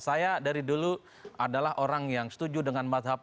saya dari dulu adalah orang yang setuju dengan mazhab